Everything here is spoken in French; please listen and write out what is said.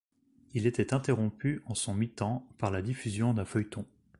Il était interrompu en son mitan par la diffusion d'un feuilleton.